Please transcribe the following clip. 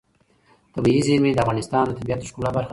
طبیعي زیرمې د افغانستان د طبیعت د ښکلا برخه ده.